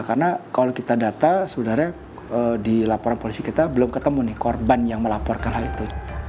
karena kalau kita data sebenarnya di laporan polisi kita belum ketemu nih korban yang melaporkan hal itu